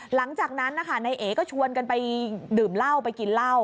หลังจากนั้นนะคะนายเอ๋ก็ชวนกันไปดื่มเหล้าไปกินเหล้า